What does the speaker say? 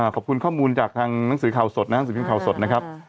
ขอบคุณข้อมูลจากทางหนังสือข่าวสดนะครับ